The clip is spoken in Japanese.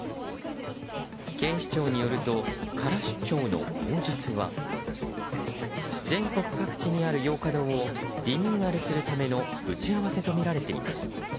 警視庁によるとカラ出張の口実は全国各地にあるヨーカ堂をリニューアルするための打ち合わせとみられています。